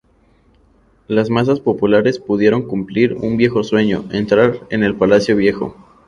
Las masas populares pudieron cumplir un viejo sueño, entrar en el Palacio Viejo.